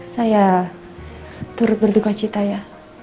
saya turut berduka cita ya